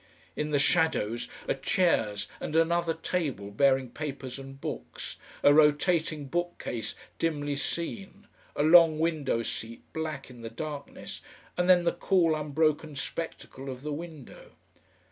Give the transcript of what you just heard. In the shadows are chairs and another table bearing papers and books, a rotating bookcase dimly seen, a long window seat black in the darkness, and then the cool unbroken spectacle of the window.